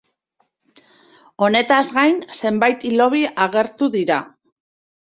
Honetaz gain, zenbait hilobi agertu dira.